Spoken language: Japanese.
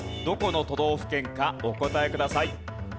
どこの都道府県かお答えください。